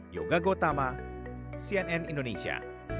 yoga gotama cnn indonesia